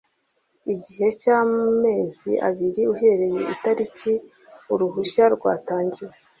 igihe cy’amezi abiri uhereye itariki uruhushya rwatangiwe